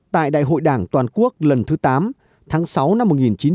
tại đại hội đảng toàn quốc lần thứ tám tháng sáu năm một nghìn chín trăm chín mươi sáu